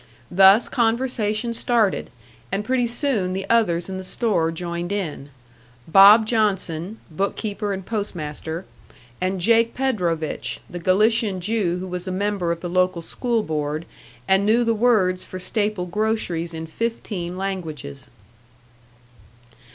Thus conversation started; and pretty soon the others in the store joined in "Bob" Johnson, bookkeeper and post master, and "Jake" Predovich, the Galician Jew who was a member of the local school board, and knew the words for staple groceries in fifteen languages.